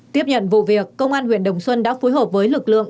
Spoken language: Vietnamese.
tiếp nhận vụ việc công an huyện đồng xuân đã phối hợp với lực lượng